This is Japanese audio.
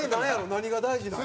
何が大事なんだ？